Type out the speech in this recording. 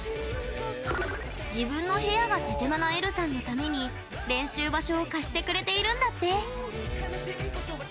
自分の部屋が手狭なえるさんのために練習場所を貸してくれているんだって。